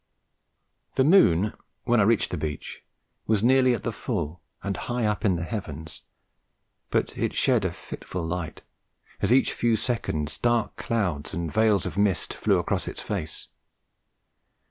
The moon when I reached the beach was nearly at the full and high up in the heavens, but it shed a fitful light, as each few seconds dark clouds and veils of mist flew across its face.